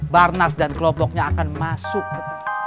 barnas dan kelompoknya akan masuk ke